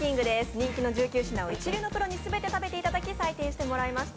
人気の１９品を一流のプロに全て食べていただき採点していただきました。